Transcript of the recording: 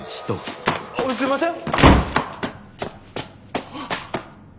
すいません！